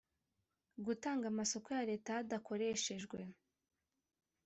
Gutanga amasoko ya leta hadakoreshejwe